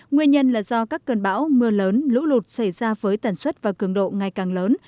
nguyên nhân là do các cơn bão mưa lớn lũ lụt xảy ra với tần suất và cường độ ngày càng lớn